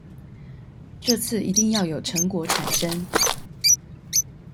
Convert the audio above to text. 這次一定要有成果產生